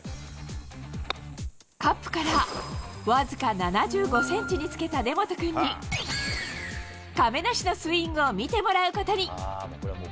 カップから僅か７５センチにつけた根本君に、亀梨のスイングを見てもらうことに。